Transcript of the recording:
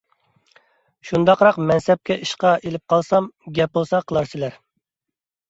شۇنداقراق مەنسەپكە ئىشقا ئېلىپ قالسام گەپ بولسا قىلارسىلەر.